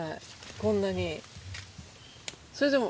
こんなに。